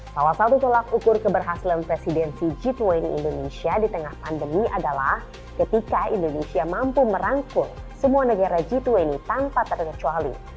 salah satu tolak ukur keberhasilan presidensi g dua puluh indonesia di tengah pandemi adalah ketika indonesia mampu merangkul semua negara g dua puluh tanpa terkecuali